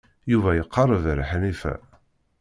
Yuba iqerreb ar Ḥnifa.